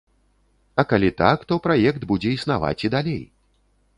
А калі так, то праект будзе існаваць і далей.